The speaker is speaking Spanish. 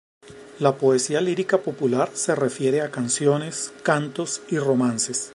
La poesía lírica popular se refiere a canciones, cantos y romances.